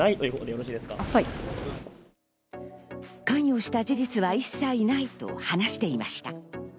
関与した事実は一切ないと話していました。